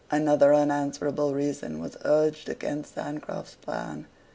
Another unanswerable reason was urged against Sancroft's plan.